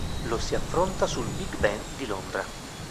Lo si affronta sul Big Ben di Londra.